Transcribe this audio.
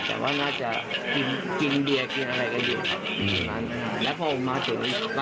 ก็บอกว่าตอนแรกห้าสิบ